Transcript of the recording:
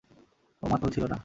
ও মাতাল ছিল না।